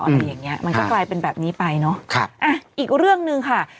อะไรอย่างเงี้ยมันก็กลายเป็นแบบนี้ไปเนอะครับอ่ะอีกเรื่องหนึ่งค่ะ